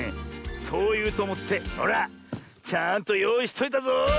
そういうとおもってほらちゃんとよういしといたぞ！